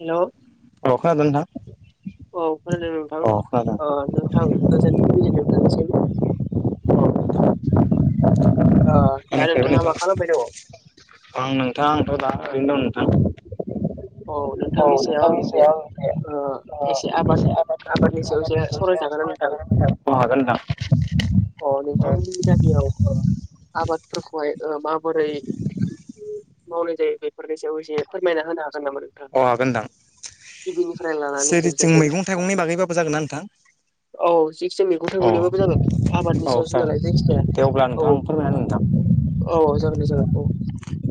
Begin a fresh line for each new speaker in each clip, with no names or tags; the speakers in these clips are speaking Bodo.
हेलौ
अखा हादों नोंथां
फोरदों नोंथां
औ खोनादों
ओ नोंथां गोजोन फुंबिनि नोंथांसिम दा
आंनिफ्रायबो
नोंथाङा
नोंथां
मा खालामबाय दङ?
आं नोंथां आंथ' दा ओरैनो दं नोंथां। औ [inaudible]
नोंथांनि सायाव आंनिफ्राय ओ एसे आबाद आबादनि सायाव एसे सावरायजागोन ना नोंथां
[unintelligible] हागोन नोंथां
अ
अ
नोंथांमोनि गामियाव आबादफोरखौहाय माबोरै मावनाय जायो बेफोरनि सायाव एसे फोरमायना होनो हागोन नामा नोंथां? लानानै
जिरिथिं
जोबजासिम
मैगं थाइगंनि बागैबाबो जागोन ना नोंथां
औ जिखिजाया मैगं
औ
थाइगंनिबाबो जागोन आबादनि
औ
सायावसो
सार
नालाय जायखिजाया
दे अब्ला
औ
नोंथांं फोरमायनानै नोंथां।
औ जागोन दे जागोन औ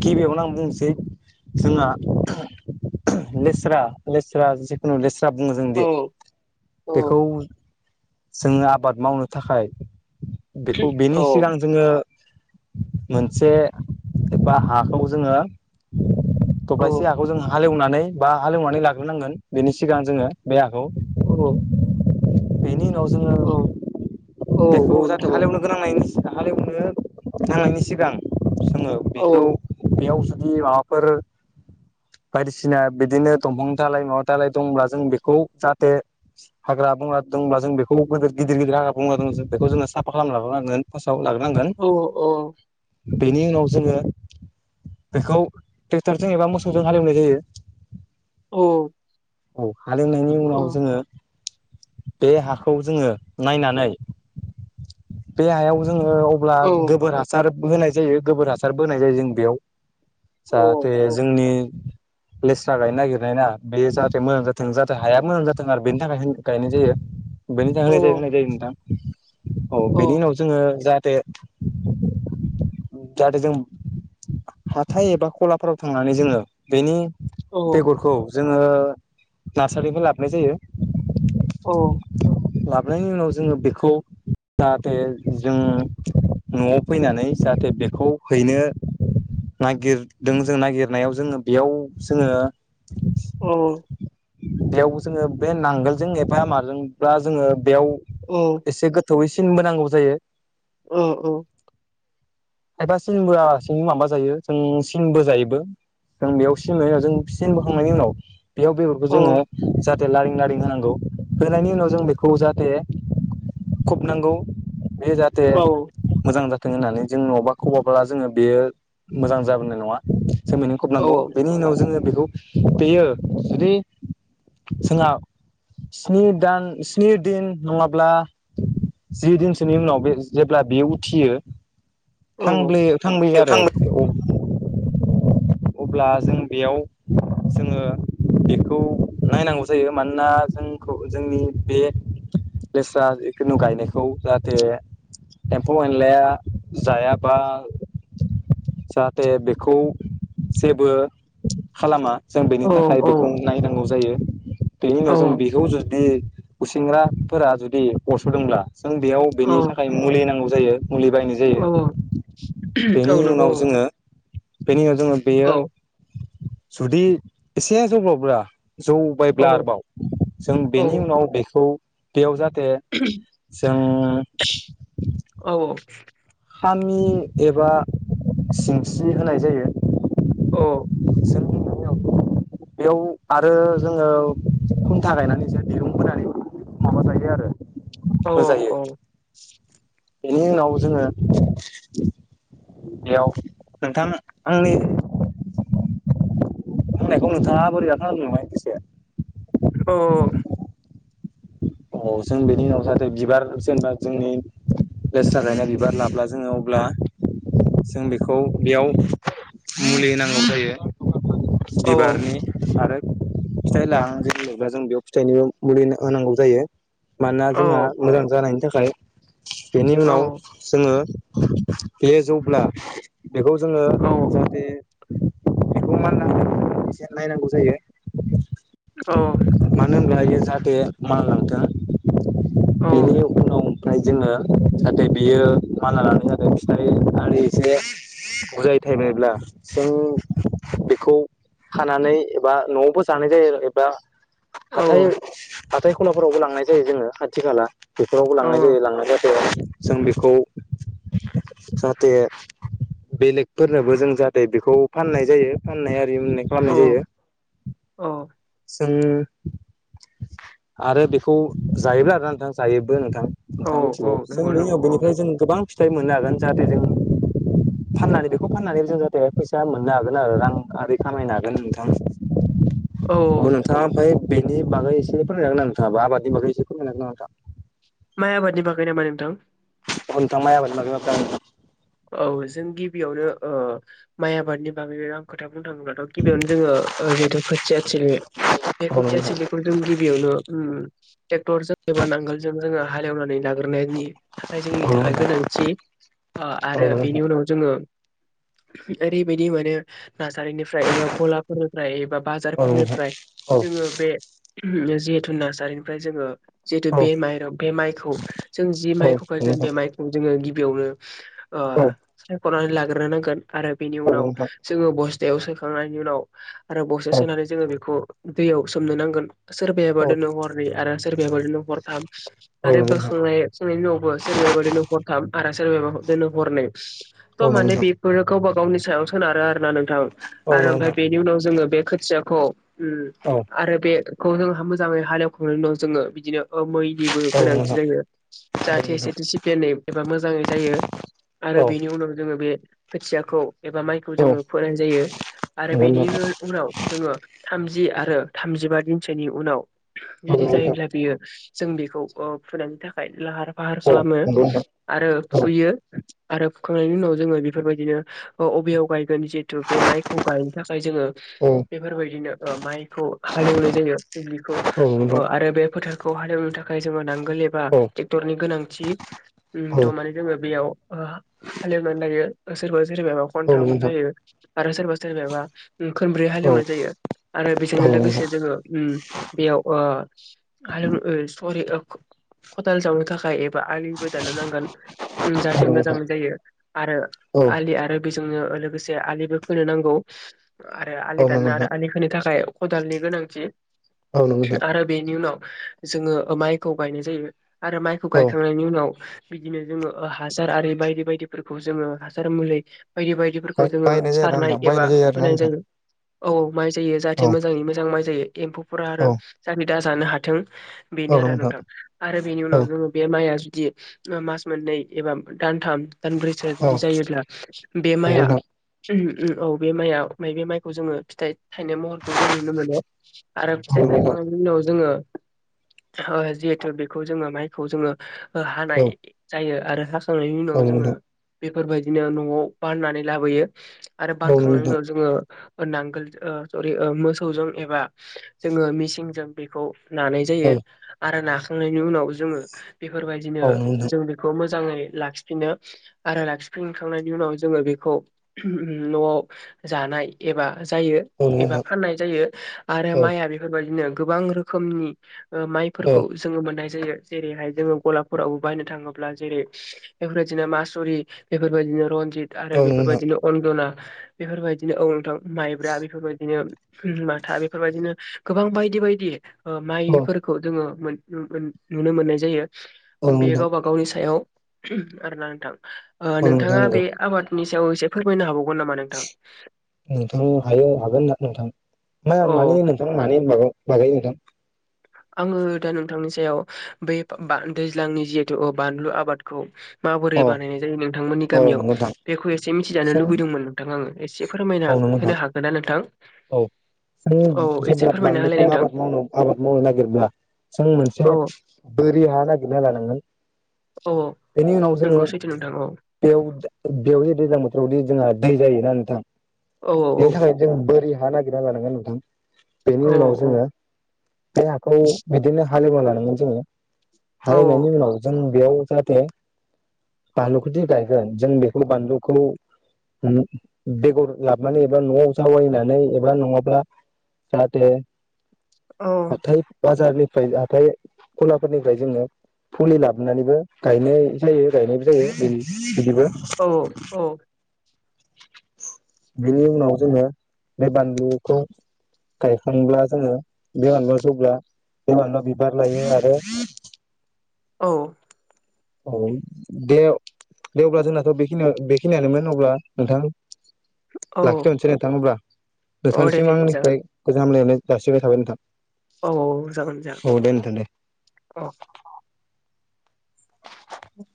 गिबियावनो आं बुंनोसै जोंहा लेस्रा लेस्रा जिखुनु लेस्रा बुङो जों
औ
दि
औ
बेखौ जोङो आबाद मावनो थाखाय बेखौ
औ
बेनि सिगां जोङो मोनसे एबा हाखौ जोङो दब्लायसे
औ
हाखौ जों हालेवनानै बा हालेवनानै लाग्रोनांगोन बेनि सिगां जोङो बे हाखौ
औ
बेनि उनाव जोङो
औ औ
बेखौ जाहाथे
नोंथां औ
हालेवनो गोनांनायनि हालेवनो थांनायनि सिगां जोङो बेखौ बेयाव दि माबाफोर बायदिसिना बिदिनो दंफां दालाय माबा दालाय दंब्ला जों बेखौ जाहाथे हागा ग्रा बंग्रा दंब्ला जों बेखौ गोदोर गदिर गदिर हाग्रा बंग्रा [unintelligible] बेखौ जों साफा खालामना लाग्रोनांगोन फास
औ औ
बेनि उनाव जोङो बेखौ ट्रेक्टरजों एबा मोसौजों हालेवनाय जायो
औ
औ हालेेंनायनि
औ
उनाव जोङो बे हाखौ जोङो नायनानै बे हायाव जोङो अब्ला
औ
गोबोर हासार बो होनाय जायो गोबोर हासारबो होनाय जायो जों बेयाव जाहाथे जोंनि लेस्रा गायनो नागिरनाय ना बे जाहाथे मोजां जाथों जाहाथे हाया मोजां जाथों आरो बेनि थाखाय गायनाय जायो बेनि
औ
थाखाय होनाय जायो होनाय जायो नोंथां औ बेनि उनाव जोङो जाहाथे जाहाथे जों हाथाय एबा खलाफोराव थांनानै जोङो बेनि
औ
बेगरखौ जोङो नार्सारिनिफ्राय लाबोनाय जायो
औ
लाबोनायनि उनाव जोङो बेखौ जाहाथे जों न'आव फैनानै जाहाथे बेखौ हैनो नागिरदों जों नागिरनायाव जोङो बेयाव जोङो बेयाव जोङो बे नांगोलजों एफा माजोंब्ला जोङो बेयाव एसे गो थोवै सिन बोनांगौ जायो
औ औ
खायफा सिनबोआलासिनो माबा जायो जों सिन बोजायोबो जों बेयाव सिन होयोना जों सिनबोखांनायनि उनाव बेयाव बेगरखौ जोङो जाथ थे लारिं लारिं होनांगौ होनायनि उनाव जों बेखौ जाहाथे खबनांगौ बे जाहाथे मोजां जा थों होननानै जों न'बा खबाब्ला जोङो बेयो मोजां जाबोनाय नङा सोमैनो खबनांगौ बेनि उनाव जोङो बेखौ बेयो जुदि जोंहा स्नि दान स्नि दिन नङाब्ला जि दिनसोनि उनाव बे जेब्ला बेयो उथियो थांब्लो थांबोयो आरो अ अब्ला जों बेयाव जोङो बेख खौ नायनांगौ जायो मानोना जोंखौ जोंनि बे लेस्रा जिखुनु गायनायखौ जाहाथे एम्फौ एनलाया जायाबा जाहाथे बेखौ जेबो खालामा जों बेनि थाखाय बेखौ औ जायो बेनि उनाव जों बेखौ जु दि गुसिंग्राफोरा जुदि अरस'दोंब्ला जों बेयाव बेनि थाखाय मुलि नांगौ जायो मुलि बायनाय
औ
जायो बेनि
नंगौ
उनाव जोङो बेनि उनाव जोङो
औ
बेयो जुदि एसे जब्रबब्ला जौ
औ
बबायब्ला आरोबाव जों
औ
बेनि उनाव बेखौ बेयाव जा थे जों
औ
आमि एबा सिंस्रि होनाय जायो
औ
जों बेयाव आरो जोङो खुन्था गायनानै जों दिरुं बोनानै माबाजयो आरो
औ औ
होजायो
औ
बेनि उनाव जोङो बेयाव नोंथां आंनि नोंथाङा बोरैबा खोनादों नामा
औ
औ जों बेनि उनाव जाहाथे बिबार जेनेबा जोंनि लेस्रा गायनायख बिबार लाब्ला जोङो अब्ला जों बेखौ बेयाव मुलि होनांगौ जायो
नंगौ
बिबारनि आरो फिथाइ लाहां जेनबायब्ला जों बेयाव फिथाइनिबो मुलि होनांगौ जायो मानोना जोंहा
नंगौ
मोजां जानायनि थाखाय बेनि उनाव जोङो बे जौब्ला बेखौ जोङो जाहाथे बेखौ मानला होनो एसे नायनांगौ जायो
औ
बेहायनोजाहाथे माललांथों बेनि उनाव जोङो जाहाथे बियो माना लानाय जादों फिथाइ आरो एसे बुजायै थायायनायब्ला जों बेखौ खानानै एबा न'आवबो जानाय जायो एबा हाथाय हाथाय खलाफोरावबो लांनाय जायो जोङो खाथि खाला बेफोरावबो लांनाय जायो लांनाय जायो जों बेखौ जाहाथे बेलेगफोरनोबो जों जाहाथे बेखौ फाननाय जायो फाननाया नाय खालामनाय जायो जों आरो बेखौ जायोब्ला आरोना नोंथां जायो नोंथां नोंथांङख मिथिगौ जों बे उ बेनिफ्राय जों गोबां फिथाइ मोननो हागोन जाहाथे जों फाननानै बेखौ फाननानैबो जों जाहाथे फैसा मोननो हागोन आरो रां आरि खामायनो हागोन नोंथां
औ
अ नोंथाङा ओमफ्रायबेनि बागाय एसे फोरमायनो हागोन नामा नोंथाङाबो आबादिनि बागै फोरमायनो हागोन नामा नोंथां
माय आबादनि बागै नामा नोंथां
अ नोंथां माय आबादनि बखबो जागोन
औ जों गिबियावनो माइ आबादनि बागै आं खोथा बुं बुंनो थांङोबाथ गिबियावनो जोङो जिहेथु खोथिया सिलि बे
औ
खोथिया
नंगौ
सिलिखौ जों गिबियावनो ट्रेक्टर जों एबा नांगोल जजों जोङो हालेवनानै लाोन खारनायनि थाखाय जोंनि थाखाय
नोंथां
गोनांथि
औ
आरो
नंगौ
बेनि
नोंथां
उनाव जोङो आरैबायदि माने नार्सारिनिफ्राय एबा गलाफोरनिफ्राय एबा
औ नंगौ
बाजारफोरनिफ्राय जोङो बे जिहेथु नार्सारिनिफ्राय जोङो जिहेथु बे माइराव बे माइखौ जों जि माइखौ फायगोन
नोंथां
बे माइखौ जोङो गिबियावनो
औ नंगौ नोंथां औ
सायख'नानै लाग्रो नांगोन आरो बेनि उनाव जोङो बस थायाव सोखांनायनि उनाव आरो बसे सोनानै जोङो बेखौ दैयाव सोमनो नांगोन
औ
सोरबाबादिनो हरनि आरो सोरबायााबा दिनो हरथाम
औ नंगौ नोंथां औ
आरो
नंगौ नोंथां
बोखांनाय सनायनि उनावबो सोरबायाबो दोन हरथाम आरो सोरबाबा दोनो हरनै थ माने बेफोरो गावबा गावनि सायाव सोनारो आरो ना नोंथां
औ नंगौ नोंथां औ नंगौ नोंथां औ नंगौ नोंथां औ
आरो
नंगौ
ओमफ्राय
नोंथां
बेनि उनाव जोङो बे खोथियाखौ
औ नंगौ नोंथां औ नंगौ नोंथां औ नंगौ नोंथां औ नंगौ
आरो बेखौ जों मोजाङै हालेवखांनानैं जोङो बिदिनो मैनिबो
नोंथां औ नंगौ नोंथां औ नंगौ नोंथां औ नंगौ नोंथां औ नंगौ नोंथां औ नंगौ नोंथां
गोनांथि जायो जाहाथे एसे डिसिप्लिनै एबा मोजाङै जायो आरो बेनि उनाव जोङो बे खोथियाखौ एबा माइखौ जोङो फोनाय जायो आरो बेनि उनाव जोङो थामज जि आरो थामजिबा दिनसोनि उनाव जुदि जायोब्ला बेयो जों बेखौ फुनायनि थाखाय लाहार फाहार खालामो आरो फुयो आरो फुखांनायनि उनाव जोङो बेफोरबायदिनो ओ अबेयाव गाय गोन जिहेतु बे माइखौ गायनो थाखाय जोङो बेफोरबायदिनो ओ माइखौ हालेवनाय जायो [unintelligible] खौ आरो बे फोथार खौ हालेवनो थाखाय जोङो नांगोल एबा ट्रेक्टरनि गोनांथि उम द माने जोङो बेयाव ओ हालेवनानै लायो सोरबा सोरबाबा खनथाम जायो आरो सोरबा सोरबाबा ओम खोनब्रै हालेवनाय जायो आरो बेजोंनो लोगोसे जोङो ओम बेयाव ओ [unintelligible] सरि खदाल जावनो थाखाय बा आलिबो दाननो नांगोन उम जाहाथे मोजां जायो आरो आलि आरो बि जोङो लोगोसे आलिबो खोनो नांगौ आरो आलि दाननो आरो आलि खोनो थाखाय खदालनि गोनांथि
औ नंगौ नोंथां
आरो बेनि उनाव जोङो माइखौ गायनाय जायो आरो माइखौ
औ
गायखांनायनि उनाव बिदिनो जोङो हासार आरि बायदि बायदिफोरखौ जोङो हासार मुलि बायदि बायदिफोरखौ जोङो
बाहायनाय जाया आरोना
सारनाय
नोंथां
एबा
बाहायनाय जायो आरोना
होनाय
नोंथां
जायो औ माइ जायो
औ
जाहाथे मोजाङै मोजां माइ जायो एम्फौफोरा आरो जाहाथे दाजानो हाथों
औ
बेनो
नंगौ
आरो नोंथां आरो बेनि
औ
उनाव जोङो बे माइआ जुदि मास मोननै एबा दानथाम दानब्रैसो
औ
जुदि जायोब्ला बे
नंगौ
माइआ
नोंथां
उम औ बे माइआ बे माइखौ जोङो फिथाइ थाइनाय महरखौ जों नुनो मोनो आरो
औ
फिथाइ
नोंथां
थायखांनायनि उनाव जोङो ओ जिहेथु बेखौ जोङो माइखौ जोङो ओ हानाय
औ
जायो खांनायनि
औ
उनाव जोङो
नोंथां
बेफोरबायदिनो न'आव बाननानै लाबोयो आरो
औ नंगौ
बानखांनायनि
नोंथां
उनाव जोङो ओ नांगोल ओ सरि मोसौजों एबा जोङो मिसिनजों बेखौ नानाय
औ
जायो आरो नाखांनायनि उनाव जोङो बेफोरबायदिनो
औ नंगौ नोंथां
जों बेखौ मो जाङै लाखिफिनो आरो लाखिफिनखांनायनि उनाव जोङो बेखौ न'आव जानाय एबा जायो
औ नंगौ
एबा
नोंथां
फाननाय जायो आरो माइआ बेफोरबायदिनो गोबां रोखोमनि ओ
औ
माइफोरखौ जोङो मोननाय जायो जेरैहाय जोङो गलाबफोरावबो बायनो थाङोब्ला जेरै बेफोरबायदिनो मासुरि बेफोरबायदिनो रनजित आरो
औ नंगौ नोंथां
बेफोरबायदिनो अनन्दना बेफोरबायदिनो औ नोंथां माइब्रा बेफोरबायदिनो माथा बेफोरबायदिनो गोबां बायदि बायदि ओ
औ
माइफोरखौ जोङो मोन नुनो मोननाय जायो
औ
बे गावबा गावनि सायाव आरोना नोंथां ओ
नंगौ नोंथां औ नोंथां
नोंथाङा बे
नंगौ
आबादनि सायाव एसे फोरमायनो हाबावो
नोंथां हायो हागोन ना नोंथां [unintelligible] माबा
औ
मागाय नोंथां
आङो दा नोंथांनि सायाव बे दैज्लांनि जिहेथु अ बानलु आबादखौ माबोरै
अ
बानायनाय जायो नोंथांमोननि
औ
गामियाव
नंगौ नोंथां
बेखौ एसे मिथिजानो
जों
लुबैदोंमोन नोंथाङा आङो एसे फोरमायना
औ नंगौ नोंथां
होनो हागोनना नोंथां
औ जों
औ एसे
जेब्ला
फोरमायना
बानलुखौ
होलाय नोंथां
आबाद मावनो आबाद माव नो नागिरब्ला जों मोनसे
औ
बोरि हा नागिरना लानांगोन
औ
बेनि उनाव जोङो
नंगौ सैथो नोंथां औ
बेयाव बेयाव दैज्लां बोथोराव दि जोंहा दै जायोना नोंथां
औ
बेनि थाखाय जों बोरि हा नागिरना लानांगोन नोंथां बेनि
औ
उनाव जोङो बे हाखौ बिदिनो हालेवना लानांगोन जोङो
औ
हालेवनायनि उनाव जों बेयाव जाहाथे बानलुखौदि गायगोन जों बेखौ बानलुखौ बेगर लाबनानै एबा न'आव जावैनानै एबा नङाब्ला जाहाथे
औ
हाथाय बाजारनि फ्राय हाथाय गलाफोरनिफ्राय जोङो फुलि लाबोनानैबो गायनाय जायो गायनायबो जायो बिदिबो
औ औ
बेनि उनाव जोङो बे बानलुखौ गायखांब्ला जोङो बि मानाव जौब्ला बिमानाव बिबार लायो आरो
औ
औ दे दे अब्ला जोंनाथ' बेखिनियाव बेखिनियानोमोन अब्ला नोंथां
औ
लाखिथारनोसै नोंथां अब्ला
औ दे
नोंथांनिसिम
दे दे जागोन
आंनिफ्राय गोजान हामलायनाय जासिबाय थाबाय नोंथां।
औ जागोन जागोन
औ दे नोंथां
औ औ